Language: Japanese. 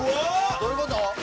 どういうこと？